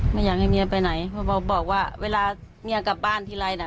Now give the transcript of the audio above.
ไม่อยากให้เมียไปไหนเพราะบอกว่าเวลาเมียกลับบ้านทีไรน่ะ